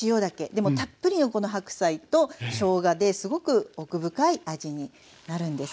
でもたっぷりのこの白菜としょうがですごく奥深い味になるんです。